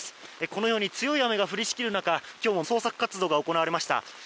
このように強い雨が降りしきる中美咲さんの捜索活動が行われました。